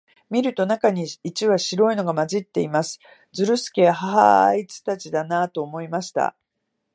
見ると、中に一羽白いのが混じっています。ズルスケは、ハハア、あいつたちだな、と思いました。